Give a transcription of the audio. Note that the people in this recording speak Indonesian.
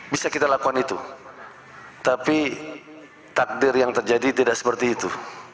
bisa kita lakukan itu tapi takdir yang terjadi tidak seperti itu